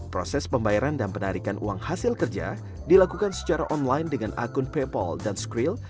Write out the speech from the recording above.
proses pembayaran dan penarikan uang hasil kerja dilakukan secara online dengan akun paypal dan scrill